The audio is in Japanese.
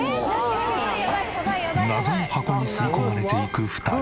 謎の箱に吸い込まれていく２人。